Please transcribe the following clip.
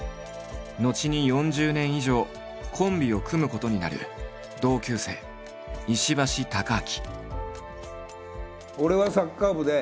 後に４０年以上コンビを組むことになる同級生石橋貴明。